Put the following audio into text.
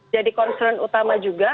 jadi concern utama juga